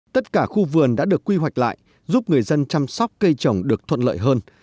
tất cả khu vườn đã được quy hoạch lại giúp người dân chăm sóc cây trồng được thuận lợi hơn